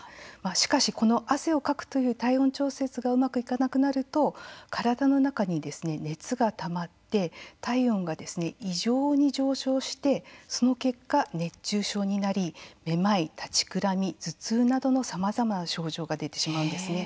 しかし、この汗をかくという体温調節がうまくいかなくなると体の中に熱がたまって体温がですね、異常に上昇してその結果、熱中症になりめまい、立ちくらみ、頭痛などのさまざまな症状が出てしまうんですね。